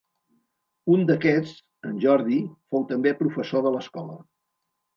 Un d'aquests, en Jordi, fou també professor de l'Escola.